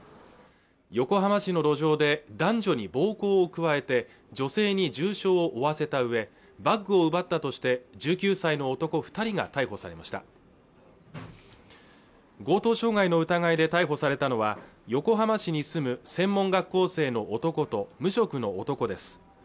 横浜市の路上で男女に暴行を加えて女性に重傷を負わせたうえバッグを奪ったとして１９歳の男二人が逮捕されました強盗傷害の疑いで逮捕されたのは横浜市に住む専門学校生の男と無職の男です